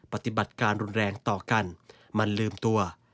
ปฏิบัติการรุนแรงต่อกันมันลืมตัว